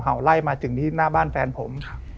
ไล่มาถึงที่หน้าบ้านแฟนผม